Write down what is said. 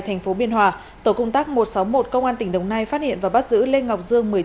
thành phố biên hòa tổ công tác một trăm sáu mươi một công an tỉnh đồng nai phát hiện và bắt giữ lê ngọc dương